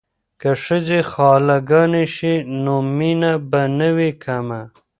که ښځې خاله ګانې شي نو مینه به نه وي کمه.